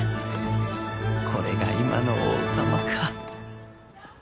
これが今の王様か。